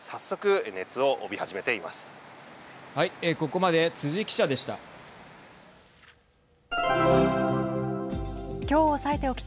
ここまで辻記者でした。